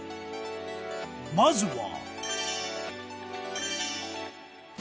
まずは。